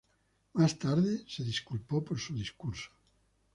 Más tarde se disculpó por su discurso.